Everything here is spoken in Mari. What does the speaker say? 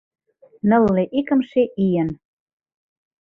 Нылле икымше ийын